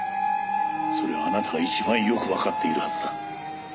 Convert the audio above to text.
それはあなたが一番よくわかっているはずだ。